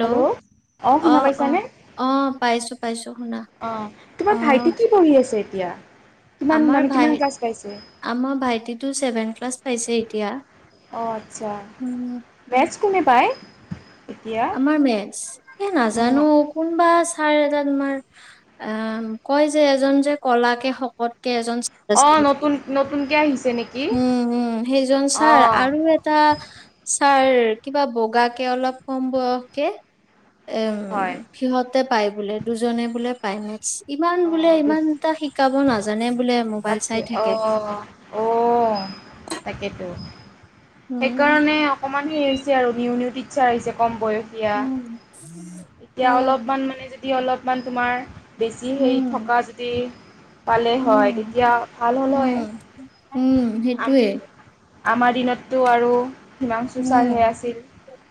Hello অ শুনা অ পাইছানে অ পাইছো পাইছো শুনা অ অ তোমাৰ ভাইটি কি পঢ়ি আছে এতিয়া কিমান আমাৰ মানে কিমান ভাই ক্লাছ পাইছে আমাৰ ভাইটিতো ছেভেন ক্লাছ পাইছে পাইছে এতিয়া অ আচ্ছা উম বেজ কোনে পায় এতিয়া আমাৰ মেজ এ নাজানো কোনোবা ছাৰ এটা তোমাৰ আ কয় যে এজন যে কলাকে শকত এজন ছাৰ অ আছিল নতুন নতুনকে আহিছে নেকি উম উ সেইজন অ ছাৰ আৰু এটা ছাৰ কিবা বগা কে অলপ কম বয়সকে এ হয় সিহঁতে পায় বোলে দুজনে বোলে টাইম ওৱেটছ ইমান অ বোলে ইমান এটা শিকাব নাজানো জানে তাকে অহ অহ তাকেইতো উম সেইকাৰণে অকমান হেৰি হৈছে আৰু নিউ নিউ চাৰিছে কম উম, [unintelligible] উম, অলপমান তোমাৰ । বেছি সেই উম, থকা যদি পালে উম, হয় । উম উম আম সেইটয়ে আমাৰ দিনততো আৰু হিমাং চুচাৰহে উম। আছিল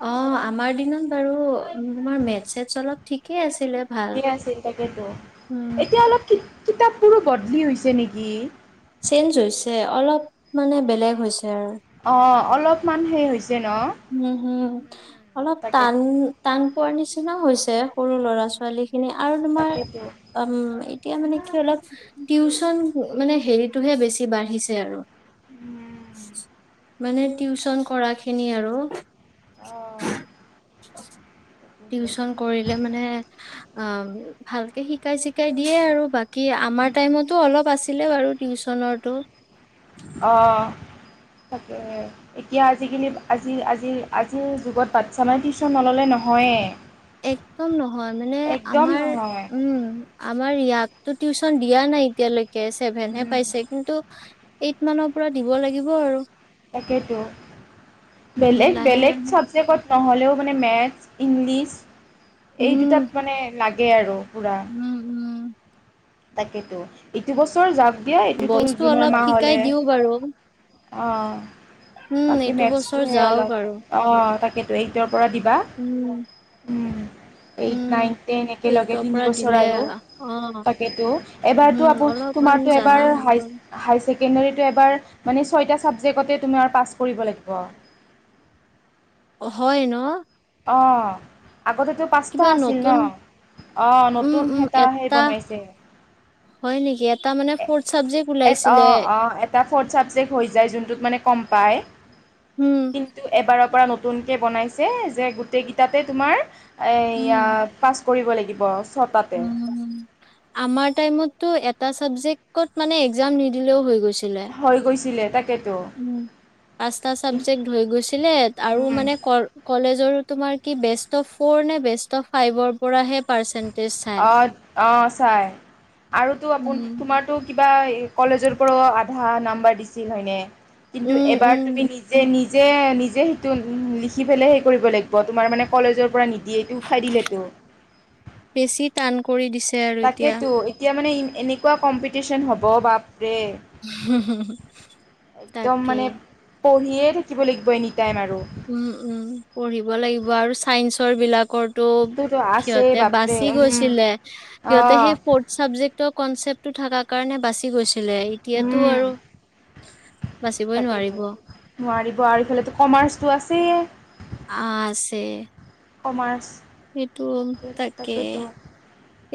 অ', আমাৰ দিনত বাৰু তোমাৰ মেথ চেট অলপ ঠিকে আছে ঠিকে আছিল তাকেতো উম, এতিয়া অলপ কি কিতাপবোৰো বদলি হৈছে নেকি চেঞ্জ হৈছে অলপ মানে বেলেগ হৈছে াৰ [unintelligible] অঁ অলপমান সেই হৈছে । উম হম অলপ ান তাকেতো ান পোৱাৰ নিচিনা হৈছে সৰু ল'ৰা ছোৱালী স খিনি আৰু তোমাৰ তাকেতো উম এতিয়া মানে কি অলপ টিউচন মানে হেৰিতটোহে বেছি বাঢ়িছে আৰু উম [unintelligible] মানে টিউচন কৰা খিনি আৰু অ । অঁ [unintelligible] তাকেহে। টিউচন কৰিলে মানে অ ভালকে শিকাই চিকাই দিয়ে আৰু বাকী কি আমাৰ টাইমতো অলপ আছে ছিল বাৰু টিচ অঁ তাকে এতিয়া আজিকালি আজি আজি আজিৰ যুগত বাচ্ছা মানে টিউশচ্যন নল'লে নহয়েই একদম নহয় মানে একদম আমাৰ নহয় উম আমাৰ ইয়াক তো টিউচন দিয়া নাই এতিয়ালৈে চছেভেনহে উম পাইছে কিন্তু এইট মানৰ পৰা দিব লাগিব আৰু তাকেতো উম, বেলেগ লাহে বেলেগ লাহে চাবজেক্টত নহ'লেও মানে মেথছ ইংলিছ এই দুটাত উম, মানে লাগে । তাকেই আৰু পুৰা উম উম তাকেতো এইটো বছৰ যাক বইচটো অলপ শিকাই দিওঁ বাৰু- অঁ । উম, বাকী এইটো বছৰ মেথছটোহে যাওক অলপ আৰু অঁ তাকেতো এইটৰ পৰা দিবা উম, এইট উম। নাইন টেন একেলগে এইটৰ পৰা তিনিবছৰ দিলে আৰু অ', তাকেতো এবাৰতো উম, আপ অলপমান তোমাৰতো জানা এবাৰ হ'ব। হাই আৰু। হাই ছেকেণ্ডেৰীটো এবাৰ মানে ছয়টা ছাবজেক্টতে তুমি আৰু পাছ কৰিব লাগিব । অ হয় ন অঁ আগতেতো পাঁচটা কিবা আছিল ন নতুন অঁ উম নতুন উম এটা হেৰি বনাইছে হয় নেকি ইয় অ এ ফে হৈ য পায় উম কিন্তু এবাৰৰ পৰা নতুনকে বনাইছে যে গোটেই কেইটাতে তোমাৰ য়া পাঁচ কৰিব লাগিব আ উ', আমাৰ টাইমত তো এটা ছাবজেক্টত মানে এক্জাম নিদিলেও হৈ গৈ দিছিলে। হৈ গৈছিলে তাকেতো উম। পাঁচটা চাবজেক্ট হৈ গৈছিলে আৰু উম, মানে কৰ কলেজৰো তোমাৰ কি বেষ্ট অফ ফ'ৰ নে বেষ্ট অফ ফাইভৰ পৰাহে পাৰ্চেণ্ট অ', অ', চায়। আৰু তো আপোন উম তোমাৰতো কিবা কলেজৰ পৰাও আধা নাম্বাৰ দিছিল হয়নে? কিন্তু উম এবাৰ উম তুমি নিজে নি যে নিজে সেইটো লিখি পেলাই সেই কৰিব লাগিব। তোমাৰ মানে কলেজৰ পৰা দিয়ে। এইটো উঠাই দিলেতো বেছি টান। কৰি দিছে আৰু এতিয়া তাকেইতো, এতিয়া মানে এনেকুৱা কম্পিটিশ্যন হ'ব বা একদম তাকে। মানে পঢ়িয়ে থাকিব লাগিব এনি টাইম আৰু উম-উম পঢ়িব লাগিব আৰু চাইন্স ৰ বিলাক ৰটো তোৰতো আছেই সিঁহতে বাপৰে বাচি উম গৈছিল সিঁহতে অঁ সেই ফৰ্থ চাবজেক্টত কনচেপ্টটো থকাৰ কাৰণে বাচি গৈছে উম', তাকেইতো নোৱাৰিব বাচিবই নোৱাৰিব আৰু এইফালেতো কমাৰ্চ আছেয়ে। আছে। কমাৰ্চ। সিটো। তাকে তাকেতো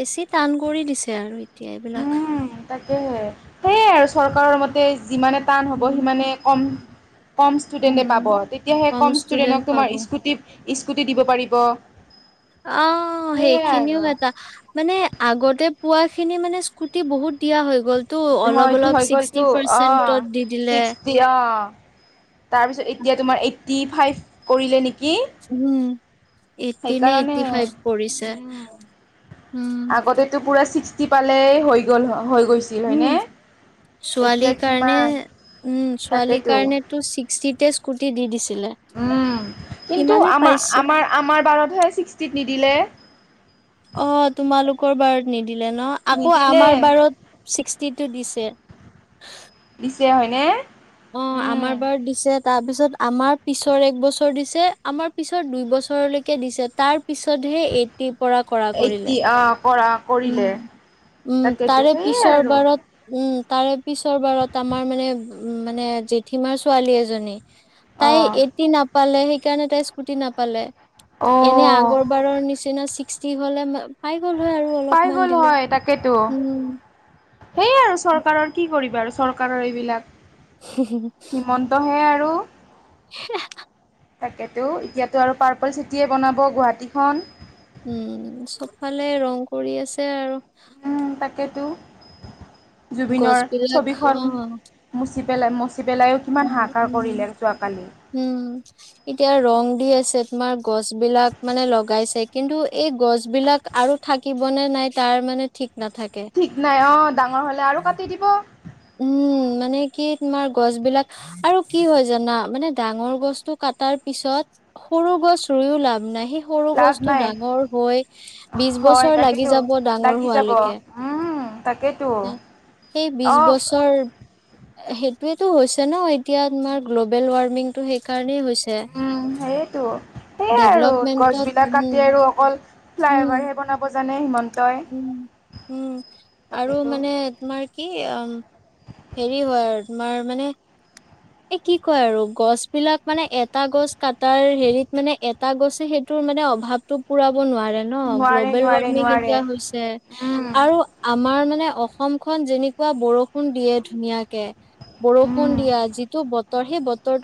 বেছি টান কৰি দিছে আৰু এতিয়া এইবিলাক উম তাকেহে সেয়াই আৰু চৰকাৰৰ মতে যিমানে টান হ'ব, উম, সিমানে কম কম উম, ষ্টুডেণ্টে পাব। তেতিয়া সেই কম ষ্টুডেন্ট ষ্টুডেণ্টক পাব তোমাৰ স্কুটিত স্কুটি দিব পাৰিব। অ', সেইয়াই সেইখিনিও আৰু এটা। মানে আগতে পোৱা খিনি মানে স্কুটি বহুত দিয়া হৈ গ'লতো অলপ হয় অলপ হয় ছিক্সটি গ'লটো। অ, পাৰ্চেন্টত দি দিলে ছিক্সটি অ তাৰপিছত এতিয়া তোমাৰ এইড ডি ফাইভ কৰিলে নেকি? উম'। এইটি নে সেইকাৰণে এইটি ফাইভ কৰিছে। উম উম। আগতেতো পুৰা ছিক্সটি পালেই হৈ গ'ল হয়। উম। এতিয়া ছোৱালীৰ কাৰণে, কিমান উম ছোৱালীৰ তাকেতো কাৰণেটো ছিক্সটিতে স্কুটি দি দিচে উম, কিন্তু আমাৰ, পাইছো আমাৰ, আমাৰ বাৰতহে ছিক্সটিত নিদিলে। অ', তোমালোকৰ বাৰত নি দিলে ন। আকৌ নিদিলে আমাৰ বাৰত ছিক্সটি দিছে। দিছে হয়নে? অ', উম আমাৰ বাৰত দিছে তাৰ পিছত আমাৰ পিছৰ এক বছৰ দিছে। আমাৰ পিছৰ দুইবছৰলৈকে দিছে। তাৰ পিছতহে এটিটটি এইটটি আহ', কৰা কৰিলে উম-উম, তাকেইতো তাৰে সেইয়াই পিছৰ আৰু বাৰত উম, তাৰে পিছৰ বাৰত আমাৰ মানে, মানে জেঠীমাৰ ছোৱালী এজনী। অ তাই এইটি না পালে, সেইকাৰণে তাই স্কুটি নাপালে। অ এনে আগৰ বাৰৰ নিচিনা হ'লে পাই গ'ল হৈ আৰু পাই অলপমান গ'ল দিলে। হয় তাকেটো। উম সেই আৰু চৰ কাৰণ কি কৰিবা আৰু চৰকাৰৰ এইবিলাক। হিমন্ত হে আৰু [inaudible] তাকেতো এতিয়াতো আৰু পাৰ্পল চিটিয়ে বনাব গুৱাহাটীখন। উম, চ'বফালে ৰং কৰি আছে আৰু। তাকেটো। গছ জুবিনৰ বিলাক ছবিখন সি পেলায় ম উ', উ', উম', এতিয়া ৰং দি আছে। তোমাৰ গছ বিলাক মানে লগাইছে। কিন্তু এই গছ বিলাক আৰু থাকিবনে নাই তাৰ মানে ঠিক নাথাকে। ঠিক নাই অ ডাঙৰ হ'লে আৰু কাটি দিব। উম', মানে কি তোমাৰ গছ বিলাক। আৰু কি হয় জানা। মানে ডাঙৰ গছটো কাটাৰ পিছত। সৰু গছ ৰুইও লাভ নাই। স সৰু লাভ বস্তু নাই ডাঙৰ হৈ বি হয় বছৰ লাগি তাকেতো যাব ডাঙৰ লাগি যাব হোৱালৈকে উম তাকেতো হ সেই বি অ বছৰ সেইটোোৱটো হৈছে ন এতিয়া তমাৰ গ্ল'বেল ৱাৰ্মিং তটো সেইকাৰণেই হৈছে উম সেইটো সেইয়াই আৰু ডেভলপমেন্টত গছবিলাক উ কাটি আৰু অকল ফ্লাইঅভাৰহে বনাব জানে হিমন্তই উ আৰু তাকেতো মানে তোমাৰ কি হেৰি হয় আৰু তোমাৰ মানে এ কি কয় আৰু গছ বিিলাক মানে এটা গছ কাটাৰ হেৰিত মানে এটা গছে সেইটোৰ মানে অভাৱতটো পুৰা নোৱাৰে নোৱাৰে নোৱাৰে উম আ ম অসমখন যেনেকুৱা বৰষুণ দিয়ে ধুনীয়াকে বৰষুণ উম দিয়া যিটো বত ৰ সেই বতৰ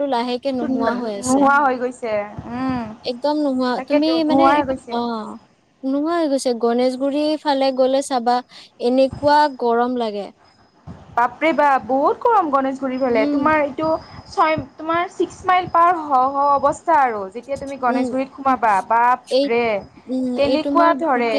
নোহোৱা হৈ গৈছে । একদম নোহোৱা তুমি মানে হৈ গৈছে অ নোহোৱা হৈ গৈছে গনেেশগুৰি ফালে গলে চাবা এনেকুৱা গৰম লাগে বাপৰে বা বহুত গৰম গণেশ ফুৰি ফলে উম তোমাৰ এইটো ছয় তোমাৰ ছিক্স মাইল পাৱ স অৱস্থা টা আৰু যেতিয়া তুমি উম গণেশগুৰিত সোমাবা এই বাপ ৰে উম, এই কেনেকুৱা তোমাৰ ধৰে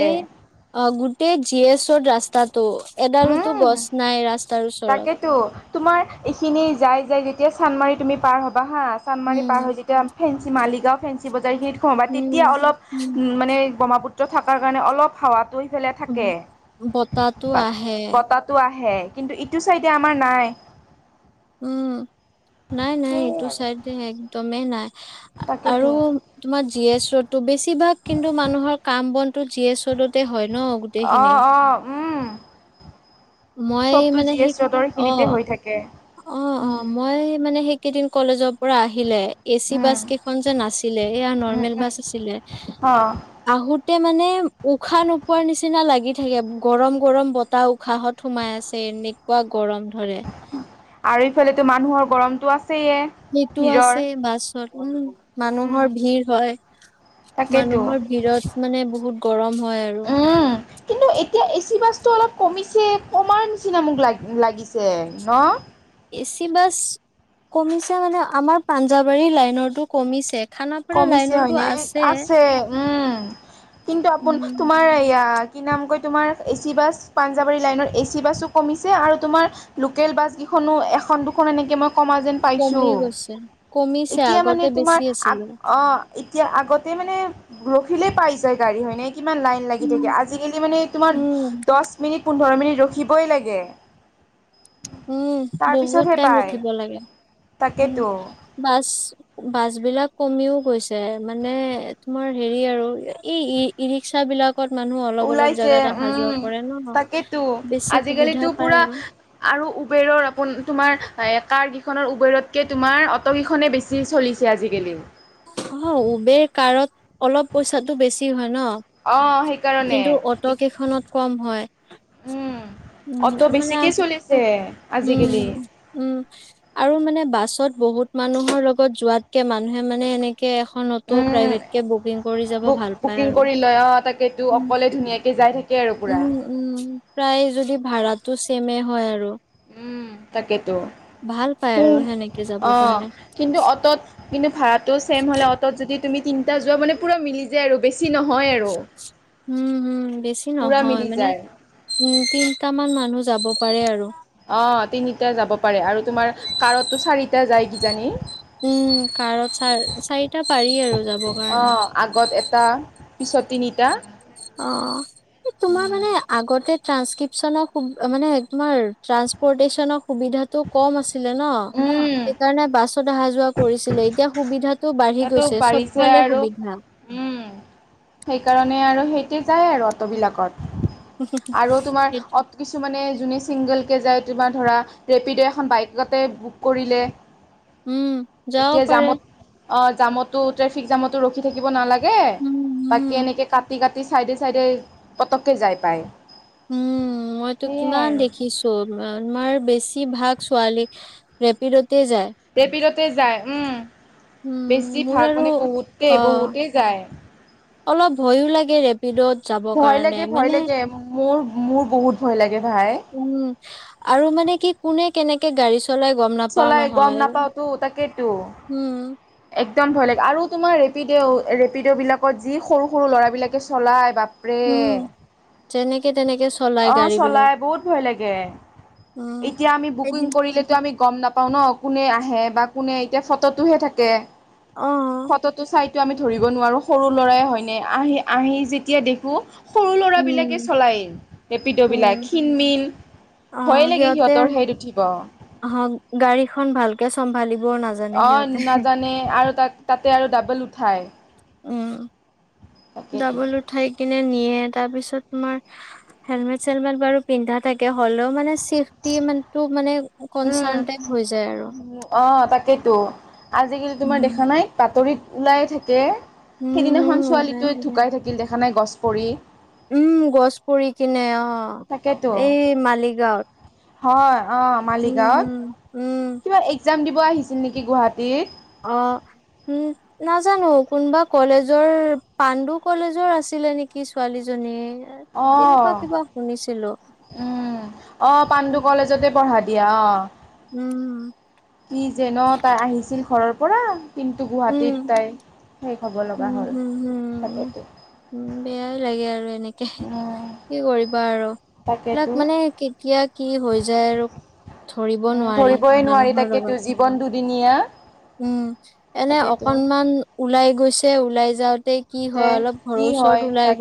ত ৰাস্তাত ত এডালোতো উম গছ নাই ৰাস্তা তাকেতো তোমাৰ এইখিনি যাই যাই য এতি চানমাৰি তুমিাৰ'ব বাঁহাঁ চানদমাৰি উম, পাৰ হৈ যেতিয়া ফেঞ্চিালিগাঁও ফেঞ্চি বজাৰখত উম, তেতিয়া অলপ উম, উ মানে বমাপুত থকাৰ কাৰণে অলপ হাৱাটো ফালে উম। থাকে বতাহটো আহে। বতাতো আহে কিন্তু ইটো চাইডে আমাৰ নাই উম । নাই নাই সেইয়াই এইটো আৰু চাইড একদমেই নাই আৰু তাকেতো তোমাৰ জি এছো বেছি বেছিভাগ কিন্তু মানুহৰ কাম বনটো জি এছ অলত অঁ অঁ মই চবতটো মানে জি এছ সেই ৰদৰ খিনিতে অ', হৈ থাকে অ অ উম, মই মানে সেই কেইদিন কলেজৰ পৰা আহিলে এ চি উম, বাছ কেইখন যে ন আছিলে এয়া উম, নৰ্মেল উম, বাছ আছিলে অ', আহোত ততে মানে উশাহ নোপোৱাৰ নিচিনা লাগি থাকে গৰম গৰম বতাহ উশাহত সোমাই আছে এনেকুৱা গৰম ধৰে আৰু এইফালেতো মানুহৰ গৰমতটো আছে য়ে সেইটো আছে ভিৰৰ বাছত উম উম, মানুহৰ ভিৰ হয় তাকেইতো মানুহৰ ভিৰত মানে বহুত [inaudible] উম কিন্তু এতিয়া এ চি ব অলপ কমিছে কমাৰ নিচিনা মোক লাগ লাগিছে ন এ চি বাছ কমিছে মানে আমাৰ পাঞ্জাৱাৰী লাইনতো কমিছে খানাপাৰা কমিছে লাইনৰটো হয়নে আছে উম কিন্তু আপোন উম তোমাৰ ইয়াত কি নামকৈ তোমাৰ এ চি বাছ পাঞ্জাৱাৰী লাইনৰ এ চি বাছো কমিছে আৰু তোমাৰ লোকেল বাছকেইখনো এখন দুখন এনেকৈ মই কমা যেন পাইছোঁ কমি গৈছে কমিছে এতিয়া মান আগতে তোমাৰ বেছি আছিলে অ এতিয়া আগতে মানে ৰখিলে পাই যায় গাড়ী হয়নে কিমান লাইন লাগি উম থাকে আজিকালি মানে তোমাৰ উম দহ মিনিট পোন্ধৰ মিনিট ৰখিবই লাগে উম বহুত তাৰপিছতহে টাইম পায় ৰখিব লাগে উম তাকেতো বাছ বাছ বিলাক কমিও গৈছে মানে তোমাৰ হেৰি আৰু এই ই ই ৰিক্সা বিলাক ত মানুহ অলপ অলপ ওলাইছে জাগা অহা যোৱা উম কৰে ন তাকেতো বেছি সুবিধা পায় আৰু উবেৰৰপ তোমাৰ কাৰ কেইখনৰ উবেৰতকে তোমাৰ অট কেইখনেই বেছি চলিছে আজিকালি অ উবেৰ কাৰত অলপ পইচাটো বেছি হয় অ ন সেইকাৰণে কিন্তু অট কেইখনত কম হয় উম উ অটো মানে বেছিকে চলিছে আজিকালি আৰু মানে বাছত বহুত মানুহৰ লগত যোৱাতকে মানুহে মানে এনেকে এখন অটো উম প্ৰাইভেট কেে বুকিং কৰি যাব বুক ভাল পায় বুকিং আৰু কৰি লয় অ তাকেতো অকলে ধুনীয়াকে যাই থাকে আৰু উ পুৰা উ প্ৰায় যদি ভাড়াটো চেমে হয় আৰু উম তাকেতো ভাল পায় আৰু সেনেকে যাব অ কাৰণে কিন্তু অটত কিু কি ভাড়াটো চছেম হ'লে অ'ত যদি তুমি তিনিটা যোৱা মানে পু মি যায় আৰু বেছি নহয় আৰু উম হম বেছি পুৰা নহয় মিলি মানে যায় উম তিনটামান মানুহ যাব পাৰে আৰু অ তিনিটা যাব পাৰে আৰু তোমাৰ কাৰতটো চাৰিটা যায় কিজানি উম কাৰত চ চাৰিটা পাৰি আৰু যাবৰ অ কাৰণে আগত এটা পিছত তিনিটা অ তোমাৰ মানে আগতে [unintelligible] উম ন অহা যোৱা কৰিছিলে এতিয়া সুবিধাত তাতো বাঢ়িছে আৰু উম সেইকাৰণে আৰু সেই ত যায় আৰু অটোবিলাকত আৰু তোমাৰ সেইটো অ কিছু মানে যোনে ছিংগলকৈ যায় তোমাৰ ধৰা ৰেপিড' এখন বাইকতে বুক কৰিলে উম যাও এতিয়া পাৰে জামত অ জামতো ট্ৰেফিক জামতো ৰখি থাকিব নালাগে উম উম তাকে এনেকে কাটি কাটি ৰা চাইডে চাইডে পটককে যাই পায় উম মইতো সেয়াই কিমান আৰু দেখিছো আমাৰ বেছি ভাগ ছোৱালী ৰেপিডতে যায় পিলতে যায় উম উম বেছি মোৰ ভাগ আৰু মানে বহুতেই অ বহুতেই যায় অলপ ভয়ো লাগে ৰেপিডত যাবৰ ভয় লাগে কাৰণে ভয় মানে লাগে মোৰ মোৰ বহুত ভয় লাগে ভাই উম আৰু মানে কি কোনে কেনেে গাী চলোই গম নাপাও চলাই গম নহয় নাপাওতো তাকেতো হম একদম ভয় লাগে আৰু তোমাৰ ৰেপিড' ৰেপিড' বিলাকত যি সৰু সৰু ল'ৰাবলাকে চলাই বা উম যেনেকে তেনেকে চলাই অ গাড়ী বিলাক চলাই বহুত ভয় লাগে উম এতিয়া আমি বুকিং এদিন কৰিলেেতো আমি গম নাপাওঁ ন কোনে আহে বা কোনে এতিয়া ফটোটোহে থাকে । এক অ ফতটো চাই আমি ধৰিব নোৱাৰোঁ সৰু ল'ৰাই হয়নে আহি আহি যেতিয়া দেখো সৰু ল'ৰাবিলাকে উম চলায় উম ৰেপিড'বিলাক ক্ষীণমিল অ ভয়ে লাগে সিহঁতে সিহঁতৰ হেত উঠিব অ গাড়ীখন ভালকে চম্ভালিব অ নাজানে আৰু তাক তাতে আৰু ডাবল উঠায় উম । ডাবল উঠাই কিন্ত নিয়ে তাৰ পিছত তোমাৰ হম চেলম বাৰু পিন্ধা থাকে হ'লেও মানে চেফটি মান মানে উম কনচাৰ্ণ টম হৈ যায় আৰু তেটো আজিকালি তোমাৰ উম দেখা নাই বাতৰিত ওলাই থাকে সেইদিনাখন হম ওলাই ছোৱালীটোোৱে থাকে ঢুকাই থাকিল দেখা নাই গছ কৰি উম গছ পৰি কিনে অ তাকেতো অ এই মালিগাঁৱত হয় [unintelligible] উম হম উম [unintelligible] আহিছিল নেকি গুৱাহাটীত অ উম নাজানো কোনোবা কলেজৰ পাণ্ডু কলেজৰ আছিলে নেকি ছোৱালীজনী তেনেকুৱা অ কিবা শুনিছিলো উম অ পাণ্ডু কলেজতে পঢ়া দিয়া অ উম কি যে ন তাই আহিছিল ঘৰৰ ঘৰা কিন্তু গুৱাহাটীত উম তাই সেই উম হম হম উম বেয়াই লাগে আৰু এনেকে উম, কি কৰিবা আৰু এইলাক তাকেতো। মানে কেতিয়া কি হৈ যায় আৰু ধৰিব উম, নোৱাৰি ধৰিবই নোৱাৰি মানুহৰ তাকেতো লগত জীৱন দুদিনীয়া উম এনে তাকেতো। অকনমানল ওলাই গৈছে ওলাই যাওঁ কি তে হয় অলপ ঘৰৰ কি ওচৰত হয় ওলাই তাক গ'ল